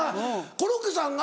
コロッケさんが？